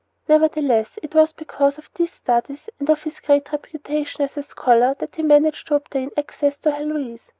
Nevertheless, it was because of these studies and of his great reputation as a scholar that he managed to obtain access to Heloise.